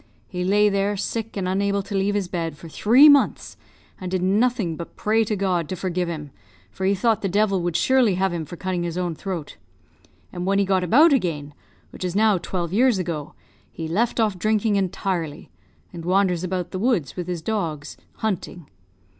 He lay there, sick and unable to leave his bed, for three months, and did nothing but pray to God to forgive him, for he thought the devil would surely have him for cutting his own throat; and when he got about again, which is now twelve years ago, he left off drinking entirely, and wanders about the woods with his dogs, hunting.